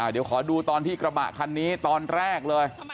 เดี๋ยวขอดูตอนที่กระบะคันนี้ตอนแรกเลย